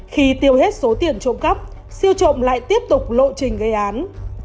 khi tiêu hết số tiền trộm cắp siêu trộm lại tiếp tục lộ trình gây án